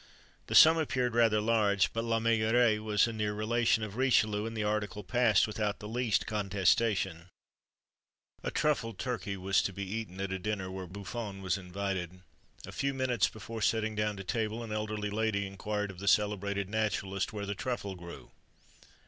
The sum appeared rather large, but La Meilleraye was a near relation of Richelieu, and the article passed without the least contestation.[XXIII 93] TRUFFLE. A truffled turkey was to be eaten at a dinner where Buffon was invited. A few minutes before setting down to table, an elderly lady inquired of the celebrated naturalist where the truffle grew.